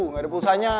gak ada pulsanya